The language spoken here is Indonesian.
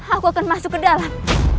aku akan masuk ke dalam